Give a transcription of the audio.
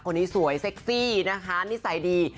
คนนี้สวยเซ็กซี่นะคะนิสัยดี